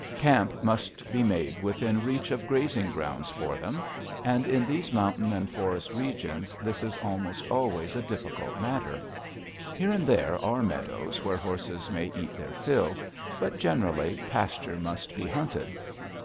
Camp must be made within reach of grazing grounds for them, and in these mountain and forest regions this is almost always a difficult matter. Here and there are meadows where horses may eat their fill; but, generally, pasture must be hunted.